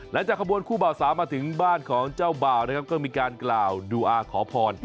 จากขบวนคู่บ่าวสาวมาถึงบ้านของเจ้าบ่าวนะครับก็มีการกล่าวดูอาขอพร